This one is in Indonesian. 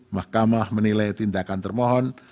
mahkamah menilai tindakan termohon